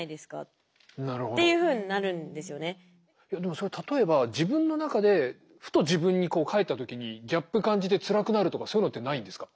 でもそれ例えば自分の中でふと自分に返った時にギャップ感じてつらくなるとかそういうのってないんですか？